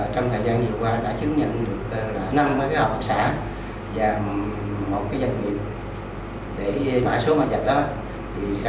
trong thời gian nhiều qua đã chứng nhận được năm hợp tác xã và một doanh nghiệp để mã số mã vạch